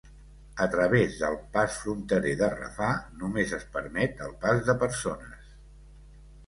A través del pas fronterer de Rafah només es permet el pas de persones.